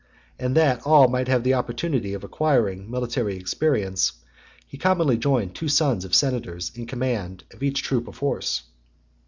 And that all might have an opportunity of acquiring military experience, he commonly joined two sons of senators in command of each troop of horse.